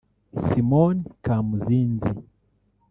Simon Kamuzinzi